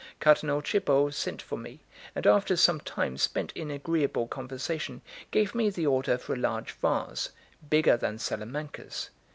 Cardinal Cibo sent for me, and after some time spent in agreeable conversation, gave me the order for a large vase, bigger than Salamanca's.